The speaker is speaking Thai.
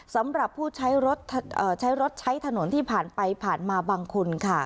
สำหรับผู้ใช้รถใช้รถใช้ถนนที่ผ่านไปผ่านมาบางคนค่ะ